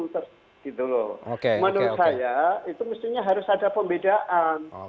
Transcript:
menurut saya itu mestinya harus ada pembedaan